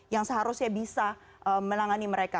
yang seharusnya bisa menangani mereka